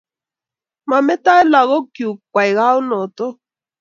Mametoi lagok chuk kwai kounotok.